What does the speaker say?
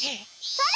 それ！